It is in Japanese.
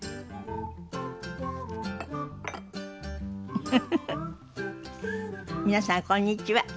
フフフフ皆さんこんにちは。